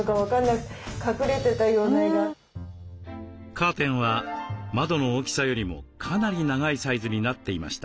カーテンは窓の大きさよりもかなり長いサイズになっていました。